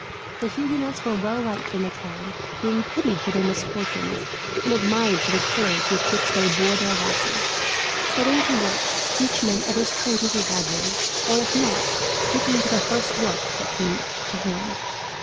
The Huguenots were well liked in the town, being pitied for their misfortunes, and admired for the courage with which they bore their losses; setting to work, each man at his trade if he had one, or if not, taking to the first work that came to hand.